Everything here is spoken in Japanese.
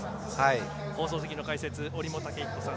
放送席の解説折茂武彦さん